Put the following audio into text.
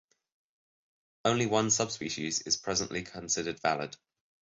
Only one subspecies is presently considered valid.